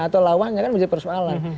atau lawannya kan menjadi persoalan